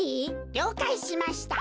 りょうかいしました。